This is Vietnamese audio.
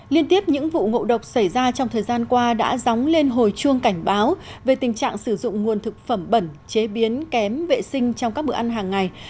liên tiếp những vụ ngộ độc xảy ra trong thời gian qua đã dóng lên hồi chuông cảnh báo về tình trạng sử dụng nguồn thực phẩm bẩn chế biến kém vệ sinh trong các bữa ăn hàng ngày